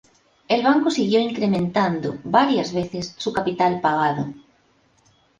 El banco siguió incrementado varias veces su capital pagado.